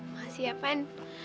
makasih ya ban